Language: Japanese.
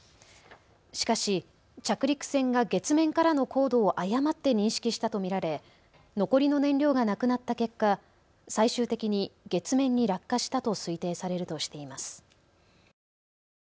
しかし着陸船が月面からの高度を誤って認識したと見られ残りの燃料がなくなった結果、最終的に月面に落下したと推定されるとしています。